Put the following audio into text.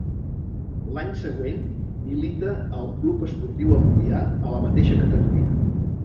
L'any següent milita al Club Esportiu Alcoià a la mateixa categoria.